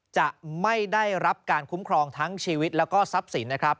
จะไม่ได้รับการคุ้มครองทั้งชีวิตแล้วก็ทรัพย์สินนะครับ